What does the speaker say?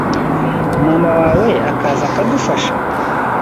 mama wawe akaza akadufasha?